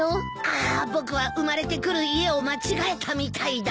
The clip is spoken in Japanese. あ僕は生まれてくる家を間違えたみたいだ。